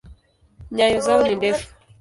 Nyayo zao ni ndefu.